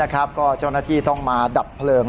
ก็เจ้าหน้าที่ต้องมาดับเพลิง